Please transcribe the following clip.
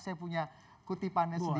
saya punya kutipannya sedikit ini